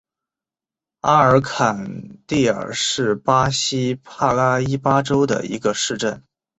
阿尔坎蒂尔是巴西帕拉伊巴州的一个市镇。